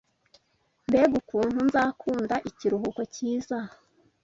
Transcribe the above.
Mbega ukuntu nzakunda ikiruhuko cyiza!